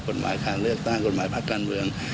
กฎหมายการเลือกตั้งกฎหมายพักการเมือง